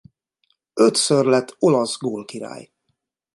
Ötször lett olasz gólkirály.